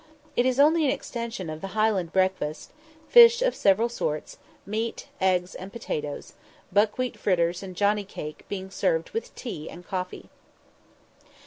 It is only an extension of the Highland breakfast; fish of several sorts, meat, eggs, and potatoes, buckwheat fritters and Johnny cake, being served with the tea and coffee.